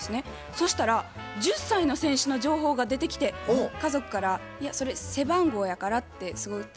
そしたら１０歳の選手の情報が出てきて家族から「いやそれ背番号やから」ってすごい冷たくつっこまれました。